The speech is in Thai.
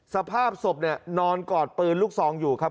สภาพศพเนี่ยนอนกอดปืนลูกซองอยู่ครับ